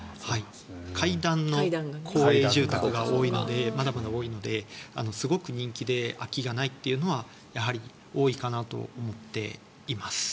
階段の公営住宅がまだまだ多いのですごく人気で空きがないというのは多いかなと思っています。